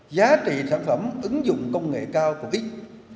giá trị sản phẩm ứng dụng công nghệ cao của x